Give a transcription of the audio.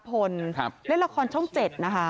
นี่คุณเคพัทรภลเล่นละครช่องแบบ๗